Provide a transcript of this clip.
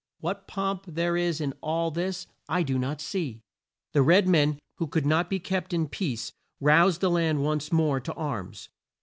What pomp there is in all this I do not see!" The red men, who could not be kept in peace, roused the land once more to arms.